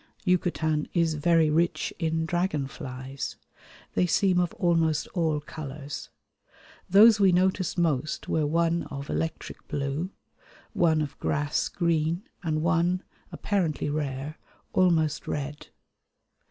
Yucatan is very rich in dragonflies. They seem of almost all colours. Those we noticed most were one of electric blue, one of grass green, and one, apparently rare, almost red.